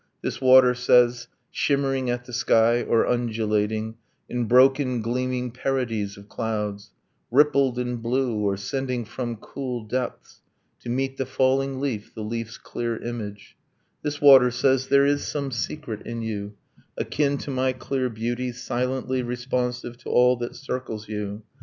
... This water says, Shimmering at the sky, or undulating In broken gleaming parodies of clouds, Rippled in blue, or sending from cool depths To meet the falling leaf the leaf's clear image, This water says, there is some secret in you Akin to my clear beauty, silently responsive To all that circles you.